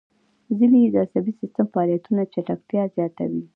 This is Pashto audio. ځینې یې د عصبي سیستم د فعالیتونو چټکتیا زیاتوي.